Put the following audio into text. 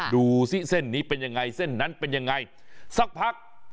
ดูสิเส้นนี้เป็นยังไงเส้นนั้นเป็นยังไงสักพัก